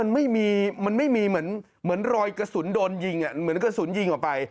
มันไม่มีมันไม่มีเหมือนรอยกระสุนโดนยิงเหมือนกระสุนยิงออกไป